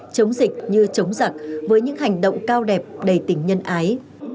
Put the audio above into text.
chống dịch như chống giặc với những hành động cao đẹp đầy tình nhân ái